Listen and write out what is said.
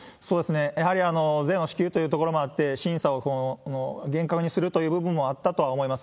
やはり税の支給というところもあって、審査を厳格にするという部分もあったとは思います。